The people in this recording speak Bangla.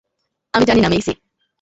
আমি জানি না, মেইসি।